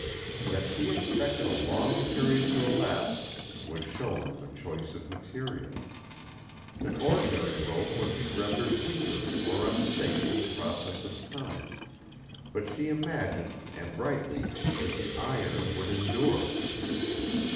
That she expected a long period to elapse was shown in the choice of material. An ordinary rope would be rendered weaker or unsafe in process of time, but she imagined, and rightly, that the iron would endure.